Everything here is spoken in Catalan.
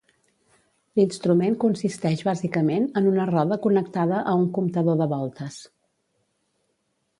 L'instrument consisteix bàsicament en una roda connectada a un comptador de voltes.